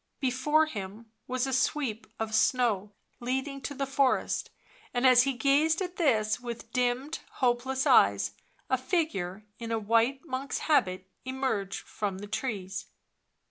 Before him was a sweep of snow leading to the forest, and as he gazed at this with dimmed, hopeless eyes, a figure in a white monk's habit emerged from the trees.